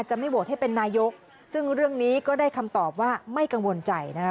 ไม่โหวตให้เป็นนายกซึ่งเรื่องนี้ก็ได้คำตอบว่าไม่กังวลใจนะคะ